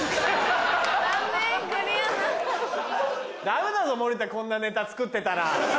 ダメだぞ森田こんなネタ作ってたら。